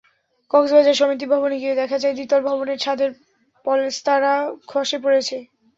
কক্সবাজার সমিতি ভবনে গিয়ে দেখা যায়, দ্বিতল ভবনের ছাদের পলেস্তারা খসে পড়েছে।